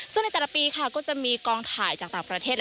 ซึ่งในแต่ละปีค่ะก็จะมีกองถ่ายจากต่างประเทศ